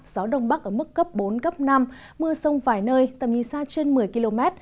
gió đông bắc ở mức cấp bốn cấp năm mưa sông vài nơi tầm nhìn xa trên một mươi km